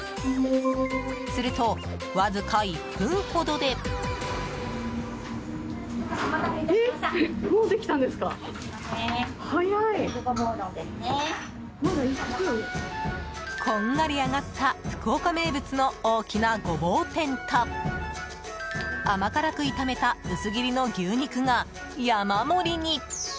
すると、わずか１分ほどで。こんがり揚がった福岡名物の大きなごぼう天と甘辛く炒めた薄切りの牛肉が山盛りに！